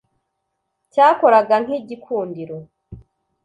cyakoraga nk'igikundiro